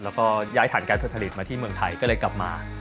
แล้วก็ย้ายฐานการฝึกผลิตมาที่เมืองไทยก็เลยกลับมา